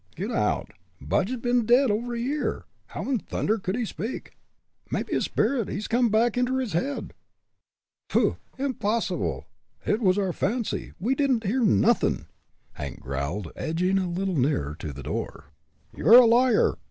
"Git out! Budge has bin dead over a year; how in thunder could he speak?" "Mebbe his spirit hes come back inter his head." "Pooh! impossible! It was our fancy; we didn't hear nothin'," Hank growled, edging a little nearer to the door. "You're a liar!"